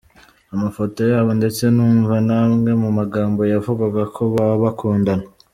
amafoto yabo ndetse numva namwe mu magambo yavugwaga ko baba bakundana.